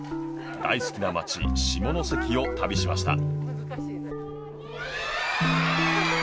大好きな街、下関を旅しました。